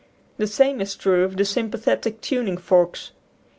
The same is true of the sympathetic tuning forks.